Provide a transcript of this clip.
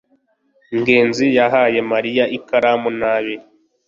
ngenzi yahaye mariya ikaramu nabi